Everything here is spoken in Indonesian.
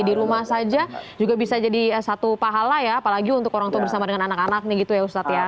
di rumah saja juga bisa jadi satu pahala ya apalagi untuk orang tua bersama dengan anak anak nih gitu ya ustadz ya